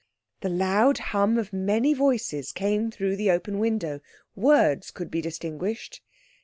The loud hum of many voices came through the open window. Words could be distinguished.